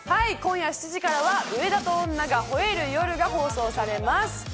今夜７時からは『上田と女が吠える夜』が放送されます。